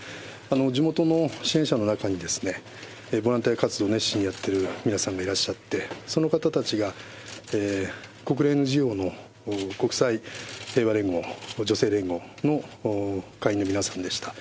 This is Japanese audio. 地元の支援者の中に、ボランティア活動を熱心にやっている皆さんがいらっしゃって、その方たちが、国連事業の国際平和連合、女性連合の会員の皆さんでした。